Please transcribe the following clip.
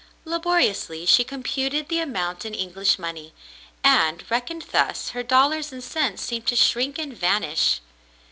Laboriously she computed the amount in English money, and, reckoned thus, her dollars and cents seemed to shrink and vanish.